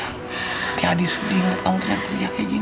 nanti adi sedih ngeliat kamu teriak teriak kayak gini